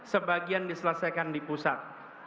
sebagian diselesaikan di pusat